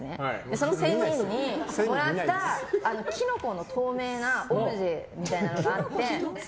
その仙人にもらったキノコの透明なオブジェみたいなのがあって。